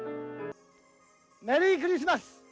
メリークリスマス。